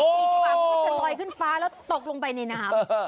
อีกความคิดว่าจะลอยขึ้นฟ้าแล้วตกลงไปในน้ำ